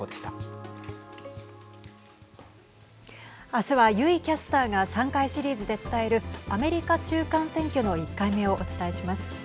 明日は油井キャスターが３回シリーズで伝えるアメリカ中間選挙の１回目をお伝えします。